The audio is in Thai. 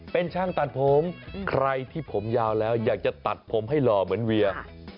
เป็นช่างตัดผมใครที่ผมยาวแล้วอยากจะตัดผมให้หล่อเหมือนเวีย